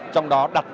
trong đó đặt